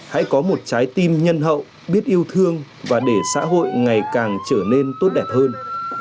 hãy có một trái tim nhân hậu biết yêu thương và để xã hội ngày càng trở nên tốt đẹp hơn